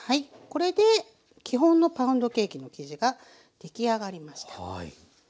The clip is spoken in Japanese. これで基本のパウンドケーキの生地が出来上がりました。